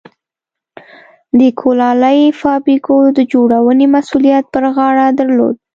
د کولالۍ فابریکو د جوړونې مسوولیت پر غاړه درلود.